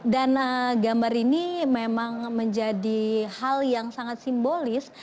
dan gambar ini memang menjadi hal yang sangat simbolis